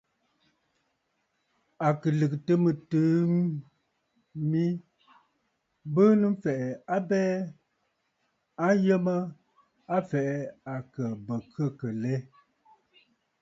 À kɨ lɨ̀gɨtə̀ mɨtɨ̀ɨ̂ mi mbɨɨnə̀ m̀fɛ̀ʼɛ̀ abɛɛ a yə mə a fɛ̀ʼɛ akə bə khə̂kə̀ lɛ.